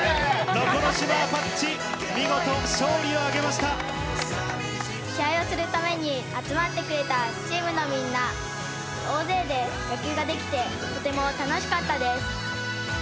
能古島アパッチ、見事勝利を挙げ試合をするために集まってくれたチームのみんな、大勢で野球ができて、とても楽しかったです。